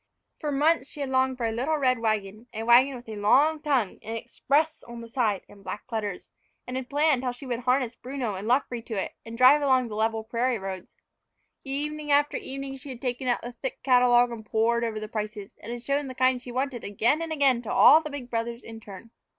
For months she had longed for a little red wagon a wagon with a long tongue, and "Express" on the side in black letters; and had planned how she would harness Bruno and Luffree to it and drive along the level prairie roads. Evening after evening she had taken out the thick catalogue and pored over the prices, and had shown the kind she wanted again and again to all the big brothers in turn.